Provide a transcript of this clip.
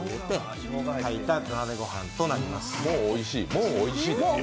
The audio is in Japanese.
もうおいしいですよ。